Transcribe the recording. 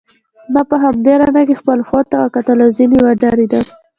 ما په همدې رڼا کې خپلو پښو ته وکتل او ځینې وډارېدم.